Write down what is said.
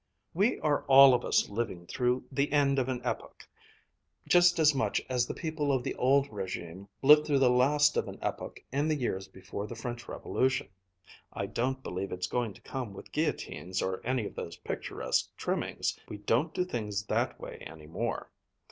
We are all of us living through the end of an epoch, just as much as the people of the old régime lived through the last of an epoch in the years before the French Revolution. I don't believe it's going to come with guillotines or any of those picturesque trimmings. We don't do things that way any more.